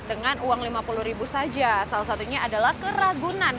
dengan uang lima puluh ribu saja salah satunya adalah keragunan